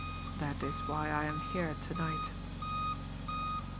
That is why I am here to night."